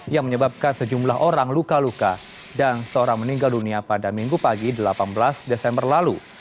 yang menyebabkan sejumlah orang luka luka dan seorang meninggal dunia pada minggu pagi delapan belas desember lalu